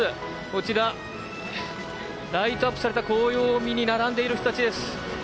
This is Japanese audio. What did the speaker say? こちら、ライトアップされた紅葉を見に並んでいる人たちです。